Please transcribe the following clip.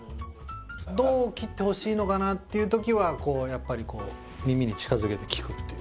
どう切ってほしいのかな？っていう時はやっぱりこう耳に近づけて聞くっていう。